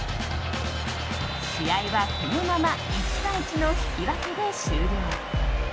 試合はこのまま１対１の引き分けで終了。